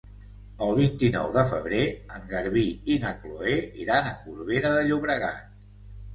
El vint-i-nou de febrer en Garbí i na Chloé iran a Corbera de Llobregat.